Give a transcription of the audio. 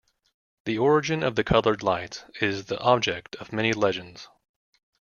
The origin of the colored lights is the object of many legends.